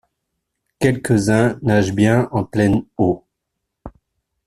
Quelques-uns nagent bien en pleine eau.